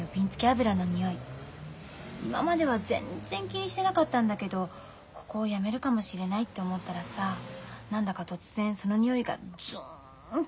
今までは全然気にしてなかったんだけどここを辞めるかもしれないって思ったらさ何だか突然その匂いがずんと来たの。